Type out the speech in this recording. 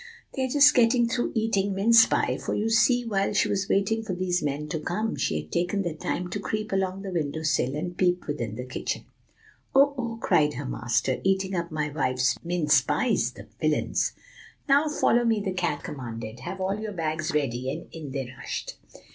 They're just getting through eating mince pie;' for, you see, while she was waiting for these men to come, she had taken the time to creep along the window sill and peep within the kitchen. "'Oh! oh!' cried her master; 'eating up my wife's mince pies, the villains!' "'Now follow me!' the cat commanded. 'Have all your bags ready!' and in they rushed.